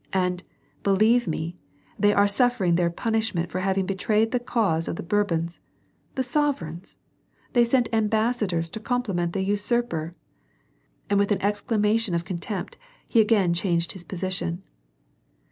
" And, believe me, they are suffering their punishment for having betrayed the cause of the Bourbons. The sovereigns ? They sent ambassadors to compliment the usurper I " And with an exclamation of contempt, he again changed his position.